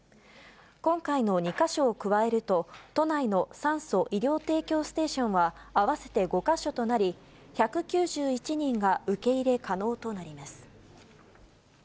今回の２か所を加えると、都内の酸素・医療提供ステーションは合わせて５か所となり、１９１人が受け入れ可能となります。